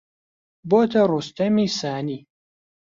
بۆتە ڕۆستەمی سانی